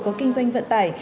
có kinh doanh vận tải